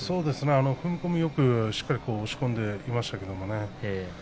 踏み込みよくしっかり押し込んでいましたけどもね。